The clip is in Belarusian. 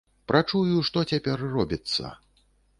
Прачую, што цяпер робіцца.